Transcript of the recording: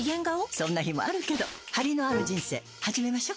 そんな日もあるけどハリのある人生始めましょ。